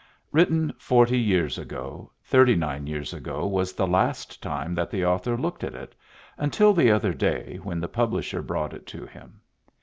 Written forty years ago, thirty nine years ago was the last time that the author looked at it, until the other day when the publisher brought it to him.